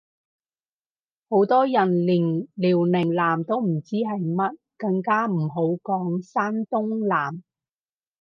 好多人連遼寧艦都唔知係乜，更加唔好講山東艦